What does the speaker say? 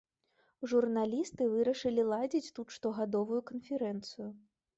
Журналісты вырашылі ладзіць тут штогадовую канферэнцыю.